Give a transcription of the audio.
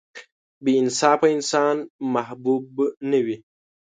• بې انصافه انسان محبوب نه وي.